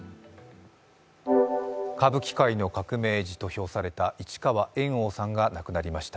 歌舞伎界の革命児と評された市川猿翁さんが亡くなりました。